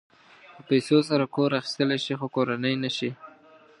په پیسو سره کور اخيستلی شې خو کورنۍ نه شې.